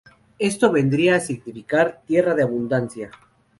Esto vendría a significar ¨tierra de abundancia¨.